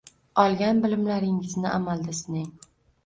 Olgan bilimlaringizni amalda sinang.